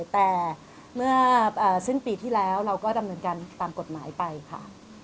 แต่เมื่อสิ้นปีที่แล้วเราก็ดำเนินการตามกฎหมายไปค่ะ